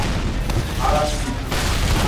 আর আমি ফিরছি না।